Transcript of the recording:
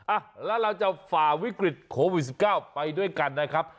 อ่ะแล้วเราจะฝ่าวิกฤตโควิด๑๙ไปด้วยกันนะครับ